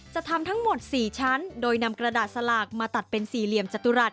จะทำทั้งหมด๔ชั้นโดยนำกระดาษสลากมาตัดเป็นสี่เหลี่ยมจตุรัส